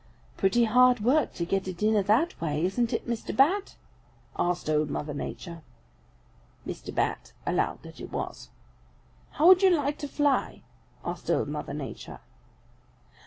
"'Pretty hard work to get a dinner that way, isn't it, Mr. Bat?' asked Old Mother Nature. "Mr. Bat allowed that it was. "'How would you like to fly!' asked Old Mother Nature.